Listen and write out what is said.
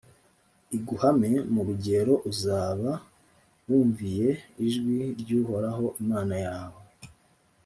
iguhame, mu rugero uzaba wumviye ijwi ry’uhoraho imana yawe.